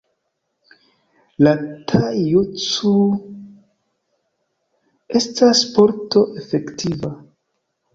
La Tai-Jutsu estas sporto efektiva.